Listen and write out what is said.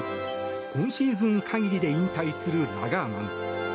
今シーズン限りで引退するラガーマン。